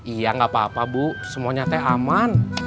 iya nggak apa apa bu semuanya teh aman